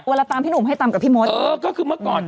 เออก็คือเมื่อก่อน